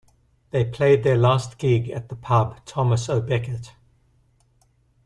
They played their last gig at the pub Thomas O'Becket.